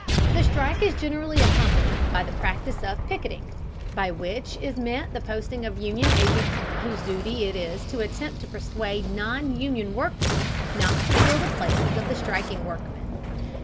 The strike is generally accompanied by the practice of picketing, by which is meant the posting of union agents whose duty it is to attempt to persuade non union workmen not to fill the places of the striking workmen.